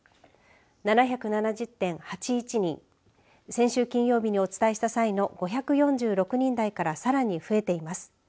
先週金曜日にお伝えした際の５４６人台からさらに増えています。